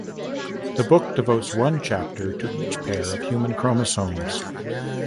The book devotes one chapter to each pair of human chromosomes.